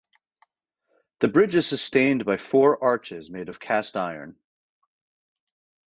The bridge is sustained by four arches made of cast iron.